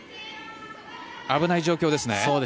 危ない状況ですね。